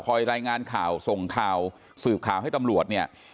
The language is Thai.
รายงานข่าวส่งข่าวสืบข่าวให้ตำรวจเนี่ย